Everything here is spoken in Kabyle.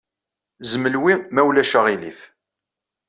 Zmel wi, ma ulac aɣilif.